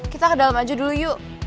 kita ke dalam aja dulu yuk